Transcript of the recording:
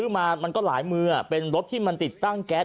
มามันก็หลายมือเป็นรถที่มันติดตั้งแก๊ส